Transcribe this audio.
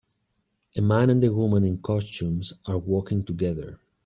A man and a woman in costumes are walking together.